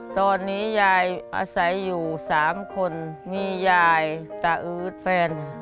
ตอนนี้ยายอาศัยอยู่๓คนมียายตาอืดแฟน